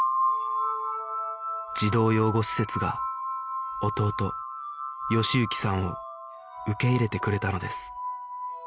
児童養護施設が弟喜之さんを受け入れてくれたのです